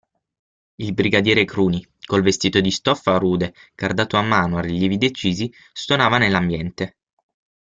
Il brigadiere Cruni, col vestito di stoffa rude cardata a mano, a rilievi decisi, stonava nell'ambiente.